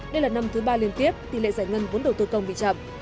đây là năm thứ ba liên tiếp tỷ lệ giải ngân vốn đầu tư công bị chậm